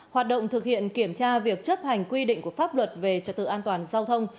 hoạt động thực hiện kiểm tra việc chấp hành quy định của pháp luật về trật tự an toàn giao thông